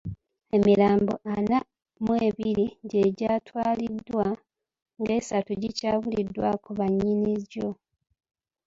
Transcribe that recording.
Emirambo ana mu ebiri gye gyatwaliddwa, ng'esatu gikyabuliddwako bannyini gyo.